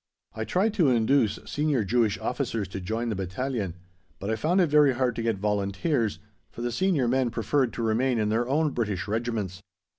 I tried to induce Senior Jewish officers to join the Battalion, but I found it very hard to get volunteers, for the Senior men preferred to remain in their own British Regiments.